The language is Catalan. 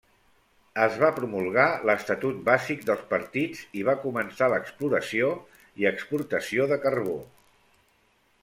Es va promulgar l'estatut bàsic dels partits i va començar l'exploració i exportació de carbó.